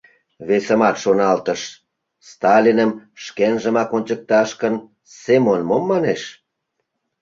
Весымат шоналтыш: Сталиным шкенжымак ончыкташ гын, Семон мом манеш?